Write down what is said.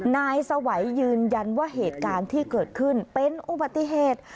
นายสวัยยืนยันว่าเหตุการณ์ที่เกิดขึ้นเป็นอุบัติเหตุ